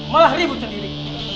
malah ribut sendiri